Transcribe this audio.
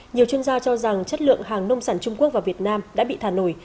nhiều chuyên gia cho rằng chất lượng hàng nông sản trung quốc và việt nam đã bị thả nổi